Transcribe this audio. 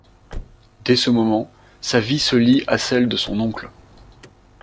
Dès ce moment, sa vie se lie à celle de son oncle.